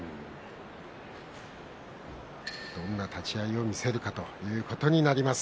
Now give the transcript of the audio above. どんな立ち合いを見せるかということになってきます。